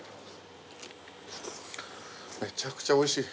めちゃくちゃおいしい。